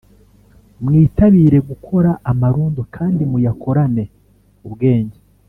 mwitabire gukora amarondo kandi muyakorane ubwenge